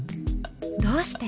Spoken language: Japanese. どうして？